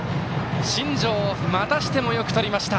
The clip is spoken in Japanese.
新城、またしてもよくとりました。